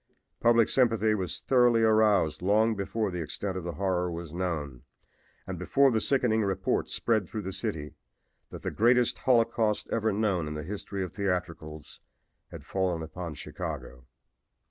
Public sympathy was thoroughly aroused long before the extent of the horror was known and before the sickening report spread throughout the city that the greatest holocaust ever known in the history of theatricals had fallen upon Chicago.